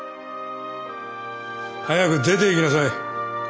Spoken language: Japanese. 早く出ていきなさい。